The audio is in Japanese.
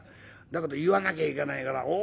だけど言わなきゃいけないから。